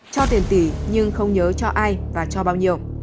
cho tiền tỷ nhưng không nhớ cho ai và cho bao nhiêu